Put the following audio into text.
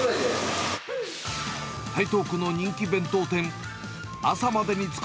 台東区の人気弁当店。